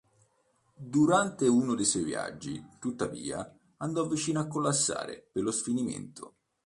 Durante uno dei suoi viaggi, tuttavia, andò vicino a collassare per lo sfinimento.